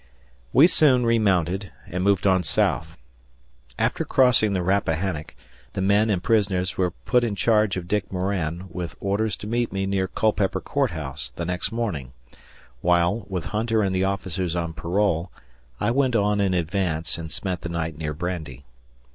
We soon remounted and moved on south. After crossing the Rappahannock, the men and prisoners were put in charge of Dick Moran withorders to meet me near Culpeper Court House the next morning, while, with Hunter and the officers on parole, I went on in advance and spent the night near Brandy.